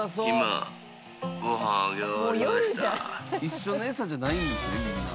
「一緒の餌じゃないんですねみんな」